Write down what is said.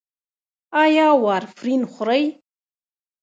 ایا وارفرین خورئ؟